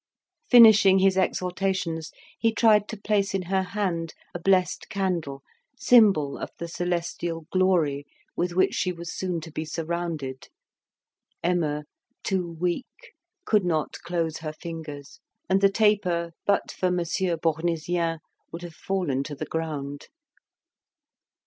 Finishing his exhortations, he tried to place in her hand a blessed candle, symbol of the celestial glory with which she was soon to be surrounded. Emma, too weak, could not close her fingers, and the taper, but for Monsieur Bournisien would have fallen to the ground.